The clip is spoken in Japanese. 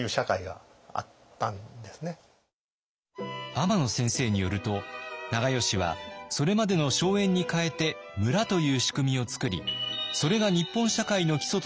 天野先生によると長慶はそれまでの荘園に代えて村という仕組みを作りそれが日本社会の基礎として昭和まで続いていたというんです。